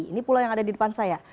ini pulau yang ada di depan saya